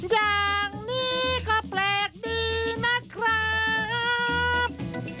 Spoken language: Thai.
อย่างนี้ก็แปลกดีนะครับ